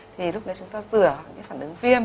thì lúc đấy chúng ta rửa phản ứng viêm